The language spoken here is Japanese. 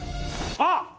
あっ！